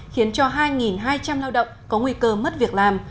khiến cho hai hai trăm linh lao động có nguy cơ mất việc làm